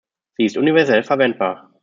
Sie ist universell verwendbar.